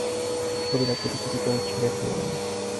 ছবিটা কুটিকুটি করে ছিঁড়ে ফেললেন।